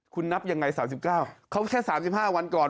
คุณนับยังไง๓๙เขาแค่๓๕วันก่อน